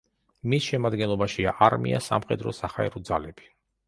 მის შემადგენლობაშია: არმია, სამხედრო-საჰაერო ძალები.